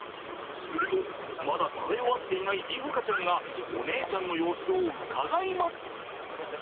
するとまだ食べ終わっていない梨穂花ちゃんがお姉ちゃんの様子をうかがいます。